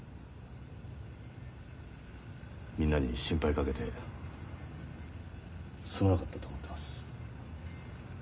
みんなに心配かけてすまなかったと思ってます。